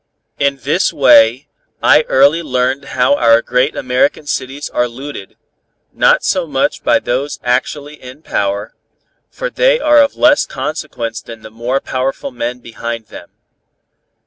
In this way, I early learned how our great American cities are looted, not so much by those actually in power, for they are of less consequence than the more powerful men behind them.